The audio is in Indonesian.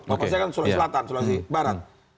lalu saya kan sulawesi selatan sulawesi barat